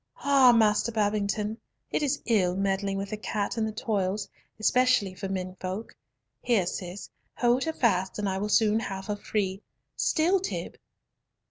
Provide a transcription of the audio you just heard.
"Ah, Master Babington, it is ill meddling with a cat in the toils, specially for men folk! Here, Cis, hold her fast and I will soon have her free. Still, Tib!"